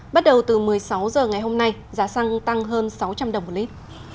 bắt đầu từ một mươi sáu h ngày hôm nay giá xăng tăng hơn sáu trăm linh đồng một lít